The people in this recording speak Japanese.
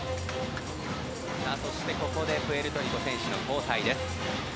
そして、ここでプエルトリコは選手交代。